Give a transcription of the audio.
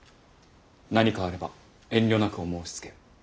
何かあれば遠慮なくお申しつけを。